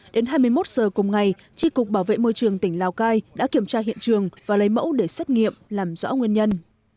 đến hai mươi một giờ cùng ngày tri cục bảo vệ môi trường tỉnh lào cai đã kiểm tra hiện trường và lấy mẫu để xét nghiệm làm rõ nguyên nhân